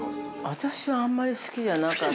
◆私はあんまり好きじゃなかった。